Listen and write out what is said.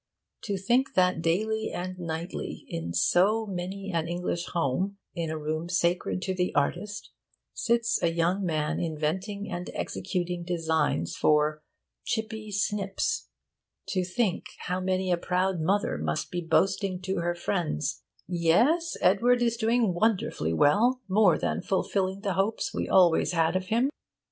To think that daily and nightly, in so many an English home, in a room sacred to the artist, sits a young man inventing and executing designs for Chippy Snips! To think how many a proud mother must be boasting to her friends: 'Yes, Edward is doing wonderfully well more than fulfilling the hopes we always had of him.